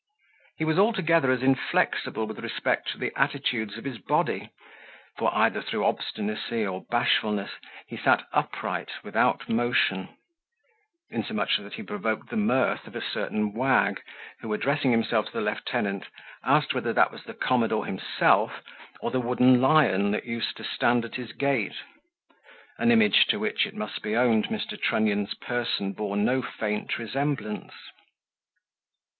He was altogether as inflexible with respect to the attitudes of his body; for, either through obstinacy or bashfulness, he sat upright without motion, insomuch that he provoked the mirth of a certain wag, who, addressing himself to the lieutenant, asked whether that was the commodore himself, or the wooden lion that used to stand at his gate? an image, to which, it must be owned, Mr. Trunnion's person bore no faint resemblance.